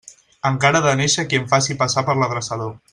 Encara ha de néixer qui em faci passar per l'adreçador.